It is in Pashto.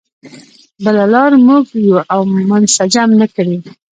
بله لار موږ یو او منسجم نه کړي.